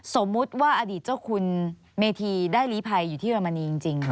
สมมุติว่าอดีตเจ้าคุณเมธีได้ลีภัยอยู่ที่เรมนีจริง